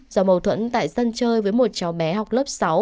do mâu thuẫn tại sân chơi với một cháu bé học lớp sáu